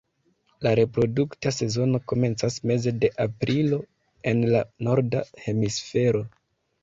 La reprodukta sezono komencas meze de aprilo en la norda hemisfero.